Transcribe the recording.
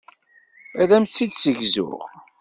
Ad am-t-id-ssegzuɣ.